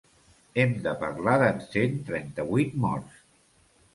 Hem de parlar de cent trenta-vuit morts.